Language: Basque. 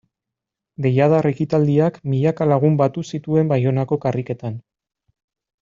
Deiadar ekitaldiak milaka lagun batu zituen Baionako karriketan.